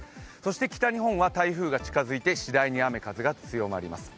北日本は台風が近づいてしだいに雨・風が強まります。